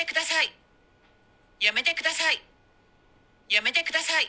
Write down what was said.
やめてください。